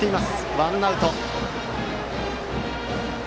ワンアウト。